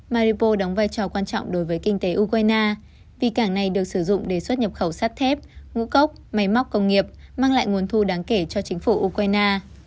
maripo đóng vai trò quan trọng đối với kinh tế ukraine vì cảng này được sử dụng để xuất nhập khẩu sắt thép ngũ cốc máy móc công nghiệp mang lại nguồn thu đáng kể cho chính phủ ukraine